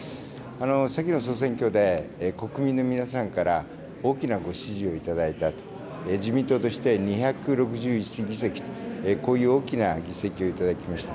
先の総選挙で国民の皆さんから大きなご支持を頂いた、自民党として２６１議席と、こういう大きな議席を頂きました。